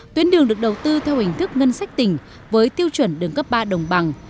tuyến đường được đầu tư theo hình thức ngân sách tỉnh với tiêu chuẩn đường cấp ba đồng bằng